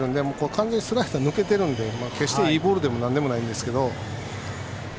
完全にスライダーが抜けているので決していいボールでもなんでもないんですけど。